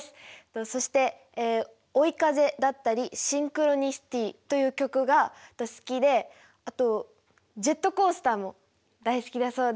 そして「追い風」だったり「シンクロニシティ」という曲が好きであとジェットコースターも大好きだそうです。